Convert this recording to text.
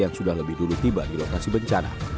yang sudah lebih dulu tiba di lokasi bencana